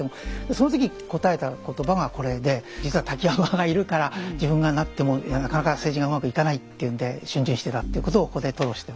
その時答えた言葉がこれで実は瀧山がいるから自分がなってもなかなか政治がうまくいかないっていうんで逡巡してたっていうことをここで吐露してますね。